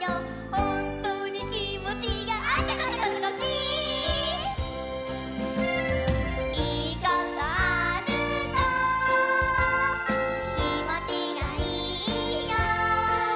「ほんとにきもちがアチャカチョコチョコピー」「いいことあるときもちがいいよ」